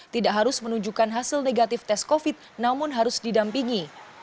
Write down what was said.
tidak harus menunjukkan hasil negatif tes covid namun harus didampingi